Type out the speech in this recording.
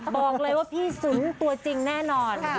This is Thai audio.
บอกเลยว่าพี่สุนตัวจริงแน่นอน